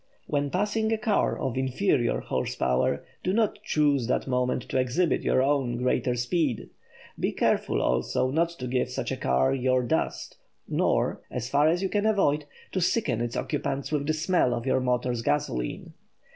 When passing a car of inferior horse power, do not choose that moment to exhibit your own greater speed. Be careful also not to give such a car your dust nor (so far as you can avoid) to sicken its occupants with the smell of your motor's gasoline.